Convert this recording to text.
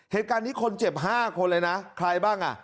เหตุการณ์นี้คนเจ็บ๕คนเลยนะใครบ้างอ่ะ